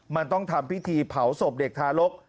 มันต้องทำพิธีเผาศพเด็กทารก